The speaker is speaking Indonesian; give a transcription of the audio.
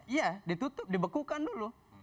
iya ditutup dibekukan dulu